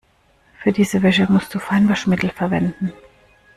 Für diese Wäsche musst du Feinwaschmittel verwenden.